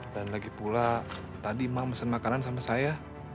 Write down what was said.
dan lagi pula tadi ma mesen makanan sama saya